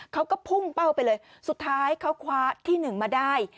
เขาก็พุ่งเป้าไปเลยสุดท้ายเขาคว้าที่หนึ่งมาได้